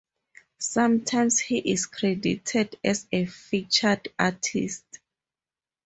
Sometimes he is credited as a featured artist.